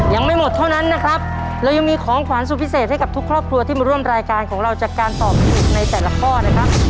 ยังไม่หมดเท่านั้นนะครับเรายังมีของขวานสุดพิเศษให้กับทุกครอบครัวที่มาร่วมรายการของเราจากการตอบถูกในแต่ละข้อนะครับ